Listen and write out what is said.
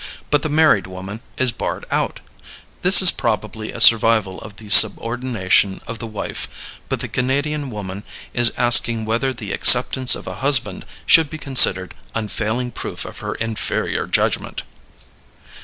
But the married woman is barred out. This is probably a survival of the subordination of the wife; but the Canadian woman is asking whether the acceptance of a husband should be considered unfailing proof of her inferior judgment.